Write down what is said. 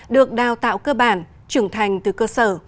được đào tạo cơ bản trưởng thành từ cơ sở